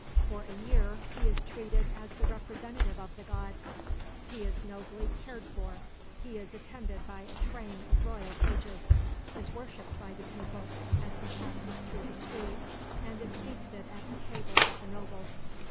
For a year he is treated as the representative of the god. He is nobly cared for, he is attended by a train of royal pages, is worshiped by the people as he passes through the street, and is feasted at the tables of the nobles.